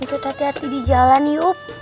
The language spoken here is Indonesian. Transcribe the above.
untuk hati hati di jalan yuk